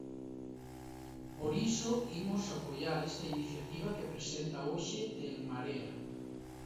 Por iso imos apoiar esta iniciativa que presenta hoxe de En Marea.